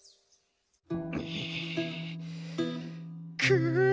くう。